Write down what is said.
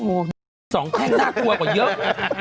โอ้โหดูสองแท่งน่ากลัวกว่าเยอะ